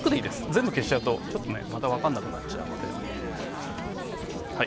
全部消しちゃうと分からなくなっちゃうので。